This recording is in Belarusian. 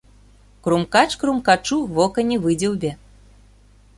Крумкач крумкачу вока не выдзеўбе